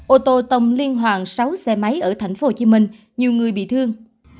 ô tô tông liên hoàn sáu xe máy ở tp hcm nhiều người bị thương